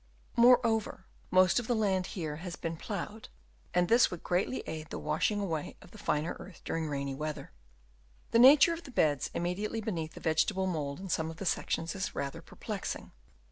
Moreover most of the land here has long been ploughed, and this would greatly aid the washing away of the finer earth during rainy weather. 222 BURIAL OF THE REMAINS Chap. IV. The nature of the beds immediately beneath the vegetable mould in some of the sections is rather perplexing.